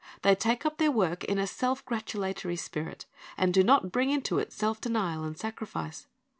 They take up their work in a self gratulatory spirit, and do not bring into it self denial and sacrifice.